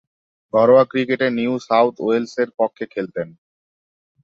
ঘরোয়া ক্রিকেটে New South ওয়েলসের পক্ষে খেলতেন।